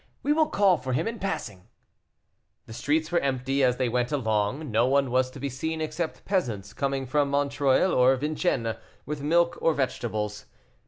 We will call for him in passing." The streets were empty as they went along; no one was to be seen except peasants coming from Montreuil or Vincennes, with milk or vegetables.